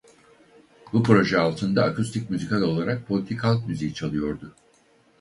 Bu proje altında akustik müzikal olarak politik halk müziği çalıyordu.